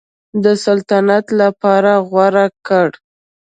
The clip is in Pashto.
د سلطنت لپاره غوره کړ.